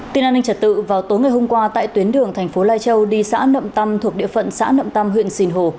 tin an ninh trật tự vào tối ngày hôm qua tại tuyến đường thành phố lai châu đi xã nậm tâm thuộc địa phận xã nậm tâm huyện sìn hồ